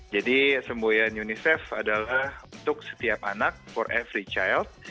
jadi semboyan unicef adalah untuk setiap anak for every child